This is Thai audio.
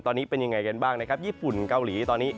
ตอนนี้เป็นอย่างไรกันบ้างญี่ปุ่นการ์หลีตอนนี้